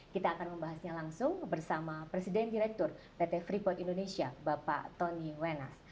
kita akan membahasnya langsung bersama presiden direktur pt freeport indonesia bapak tony wenas